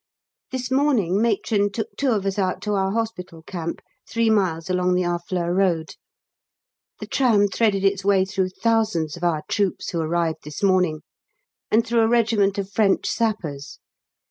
This morning Matron took two of us out to our Hospital camp, three miles along the Harfleur road. The tram threaded its way through thousands of our troops, who arrived this morning, and through a regiment of French Sappers.